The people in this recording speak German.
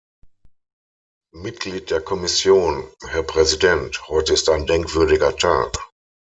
Mitglied der Kommission. Herr Präsident! Heute ist ein denkwürdiger Tag.